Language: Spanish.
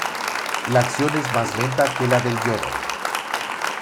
La acción es más lenta que la del yodo.